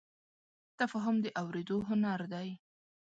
تفاهم د اورېدو هنر دی.